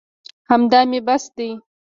همدا مې بس دي.